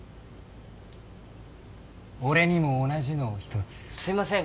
俺にも同じのを１つすいません